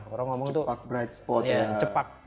cepak bright spot ya